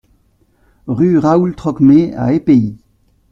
Rue Raoul Trocmé à Épehy